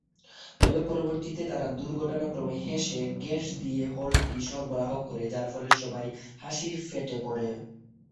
তবে পরিবর্তে তারা দুর্ঘটনাক্রমে হেসে গ্যাস দিয়ে হলটি সরবরাহ করে যার ফলে সবাই হাসির ফেটে পড়ে।